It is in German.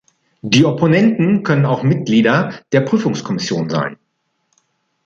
Die Opponenten können auch Mitglieder der Prüfungskommission sein.